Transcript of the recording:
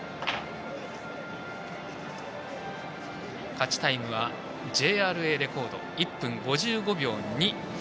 勝ちタイムはＪＲＡレコード１分５５秒２。